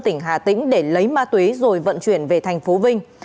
tỉnh hà tĩnh để lấy ma túy rồi vận chuyển về tp vinh